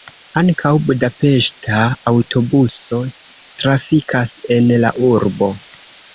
Ankaŭ budapeŝta aŭtobuso trafikas en la urbo.